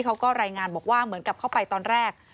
เขาก็รายงานบอกว่าเหมือนกับเข้าไปตอนแรก